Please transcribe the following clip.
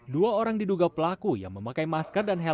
dua orang diduga pelaku yang memakai masker dan helm